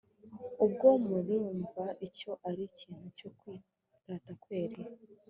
ubwo murumva icyo ari ikintu cyo kwirata kweri